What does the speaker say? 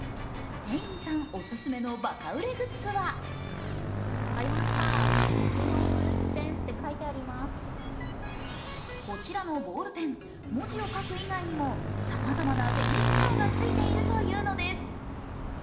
店員さんお勧めのバカ売れグッズはこちらのボールペン文字を書く以外にもさまざまな便利機能がついているというのです。